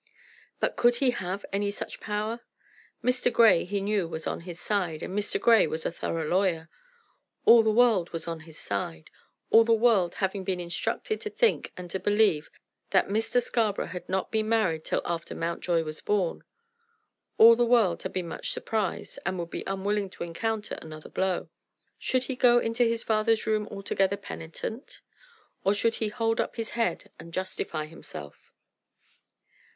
But could he have any such power? Mr. Grey, he knew, was on his side, and Mr. Grey was a thorough lawyer. All the world was on his side, all the world having been instructed to think and to believe that Mr. Scarborough had not been married till after Mountjoy was born. All the world had been much surprised, and would be unwilling to encounter another blow. Should he go into his father's room altogether penitent, or should he hold up his head and justify himself?